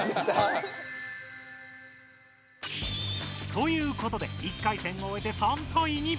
ということで１回戦をおえて３対２。